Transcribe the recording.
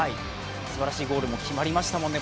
すばらしいゴールも決まりましたもんね。